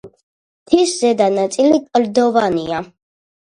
მთის ზედა ნაწილი კლდოვანია.